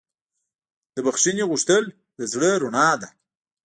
د بښنې غوښتل د زړه رڼا ده.